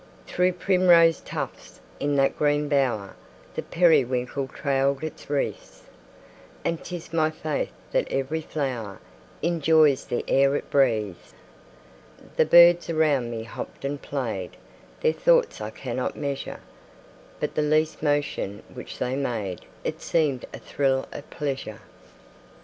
Through primrose tufts, in that green bower, The periwinkle trailed its wreaths; And 'tis my faith that every flower Enjoys the air it breathes. The birds around me hopped and played, Their thoughts I cannot measure: But the least motion which they made It seemed a thrill of pleasure.